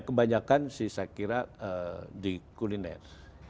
kebanyakan sih saya kira di kuliner